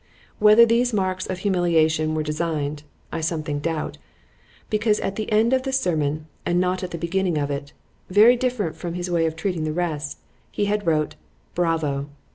——Whether these marks of humiliation were designed,—I something doubt;——because at the end of the sermon (and not at the beginning of it)—very different from his way of treating the rest, he had wrote—— Bravo!